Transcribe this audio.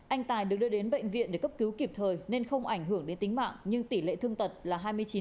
anh tài được đưa đến bệnh viện để cấp cứu kịp thời nên không ảnh hưởng đến tính mạng nhưng tỷ lệ thương tật là hai mươi chín